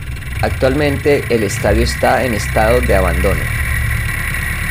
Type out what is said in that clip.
Actualmente el estadio esta en estado de abandono.